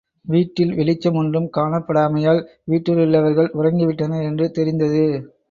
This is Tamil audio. வீட்டில் வெளிச்சமொன்றும் காணப்படாமையால் வீட்டிலுள்ளவர்கள் உறங்கிவிட்டனர் என்று தெரிந்தது.